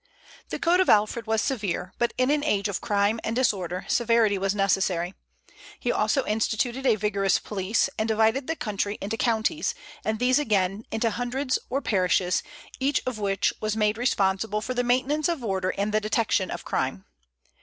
The code of Alfred was severe, but in an age of crime and disorder severity was necessary. He also instituted a vigorous police, and divided the country into counties, and these again into hundreds or parishes, each of which was made responsible for the maintenance of order and the detection of crime.